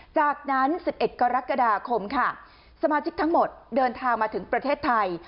จากนั้น๑๑กรกฎาคมค่ะสมาชิกทั้งหมดเดินทางมาถึงประเทศไทย